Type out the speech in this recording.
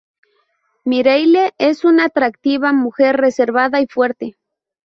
Mireille es una atractiva mujer, reservada y fuerte.